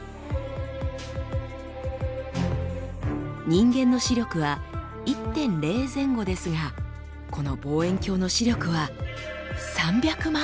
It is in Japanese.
人間の視力は１．０前後ですがこの望遠鏡の視力は３００万。